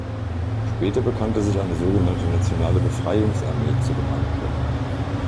Später bekannte sich eine sogenannte „Nationale Befreiungsarmee“ zu dem Angriff.